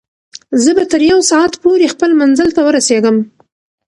زه به تر یو ساعت پورې خپل منزل ته ورسېږم.